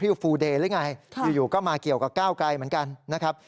โยนมาก้าวกล่าวเช็ยเลย